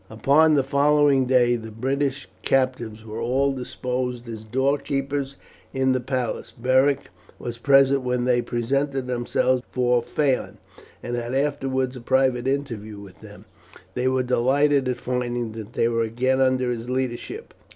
Upon the following day the British captives were all disposed as door keepers in the palace. Beric was present when they presented themselves before Phaon, and had afterwards a private interview with them. They were delighted at finding that they were again under his leadership.